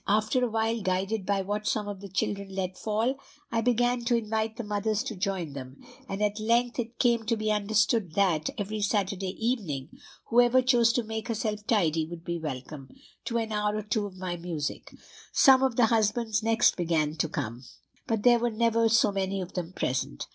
After a while, guided by what some of the children let fall; I began to invite the mothers to join them; and at length it came to be understood that, every Saturday evening, whoever chose to make herself tidy would be welcome, to an hour or two of my music. Some of the husbands next began to come, but there were never so many of them present.